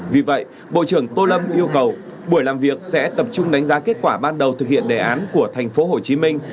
vì vậy bộ trưởng tô lâm yêu cầu buổi làm việc sẽ tập trung đánh giá kết quả ban đầu thực hiện đề án của thành phố hồ chí minh